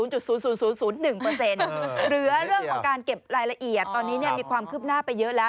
เหลือเรื่องของการเก็บรายละเอียดตอนนี้มีความคืบหน้าไปเยอะแล้ว